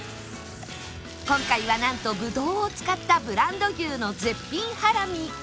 今回はなんとブドウを使ったブランド牛の絶品ハラミ